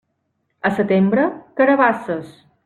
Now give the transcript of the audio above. A setembre, carabasses.